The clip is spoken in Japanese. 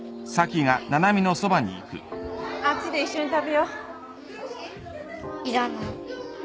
あっちで一緒に食べよういらない